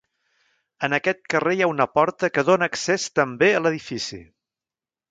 En aquest carrer hi ha una porta que dóna accés també a l'edifici.